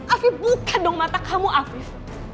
afif buka dong mata kamu afif